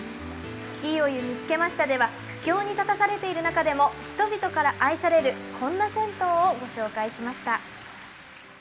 「いいお湯見つけました」では苦境に立たされている中でも人々から愛されるこんな銭湯をご紹介しました。